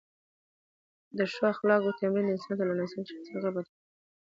د ښو اخلاقو تمرین انسان له ناسم چلند، قهر او بد اخلاقۍ ساتي.